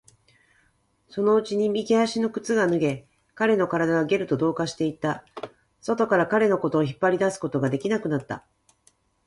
そのうちに右足の靴が脱げ、彼の体はゲルと同化していった。外から彼のことを引っ張り出すことができなくなった。